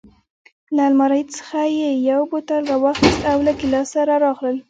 له المارۍ څخه یې یو بوتل راواخیست او له ګیلاس سره راغلل.